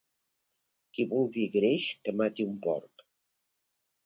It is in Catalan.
Qui vulgui greix, que mati un porc.